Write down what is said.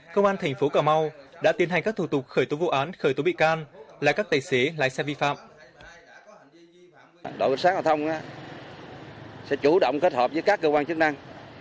công an thành phố cà mau đã tiến hành các thủ tục khởi tố vụ án khởi tố bị can là các tài xế lái xe vi phạm